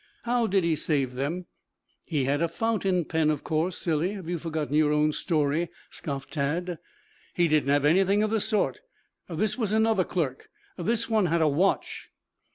"How did he save them?" "He had a fountain pen, of course, silly! Have you forgotten your own story?" scoffed Tad. "He didn't have anything of the sort. This was another clerk. This one had a watch."